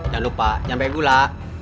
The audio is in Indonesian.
jangan lupa nyampe gula